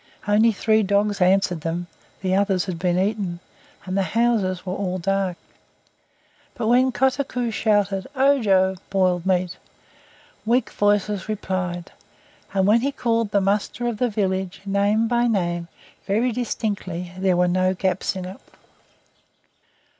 Only three dogs answered them; the others had been eaten, and the houses were all dark. But when Kotuko shouted, "Ojo!" (boiled meat), weak voices replied, and when he called the muster of the village name by name, very distinctly, there were no gaps in it.